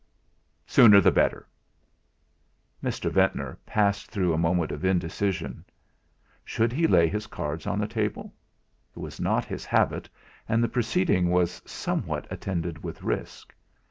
"Sooner the better." Mr. Ventnor passed through a moment of indecision. Should he lay his cards on the table? It was not his habit, and the proceeding was sometimes attended with risk.